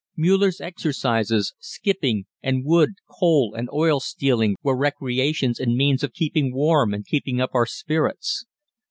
Müller's exercises, skipping, and wood, coal, and oil stealing were recreations and means of keeping warm and keeping up our spirits.